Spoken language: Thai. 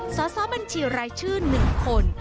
ซ้อบัญชีรายชื่อหนึ่งคน